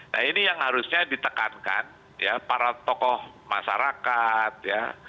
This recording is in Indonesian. nah ini yang harusnya ditekankan ya para tokoh masyarakat ya